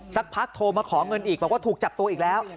สักพักโทรมาขอเงินอีกบอกว่าถูกจับตัวอีกแล้ว